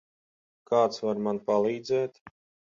Kāds var man palīdzēt?